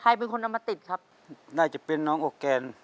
เป็นคนเอามาติดครับน่าจะเป็นน้องโอแกน